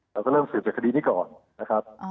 เราก็เริ่มสืบจากคดีนี้ก่อนนะครับ